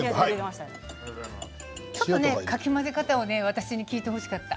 ちょっとかき混ぜ方を私に聞いてほしかった。